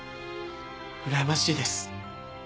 うらやましいです。